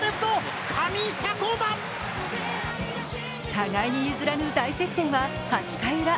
互いに譲らぬ大接戦は８回ウラ